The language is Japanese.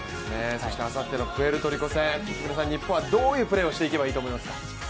そしてあさってのプエルトリコ戦日本はどういうプレーをしていけばいいですか？